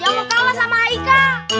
jangan kalah sama aika